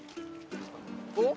おっ？